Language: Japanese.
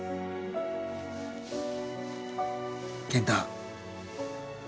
健太。